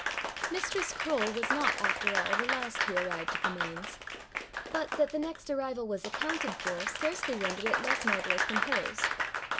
Mistress Croale was not, after all, the last who arrived at the Mains. But that the next arrival was accounted for, scarcely rendered it less marvellous than hers.